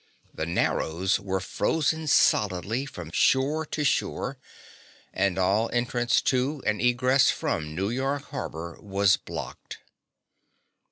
The Narrows were frozen solidly from shore to shore, and all entrance to and egress from New York harbor was blocked.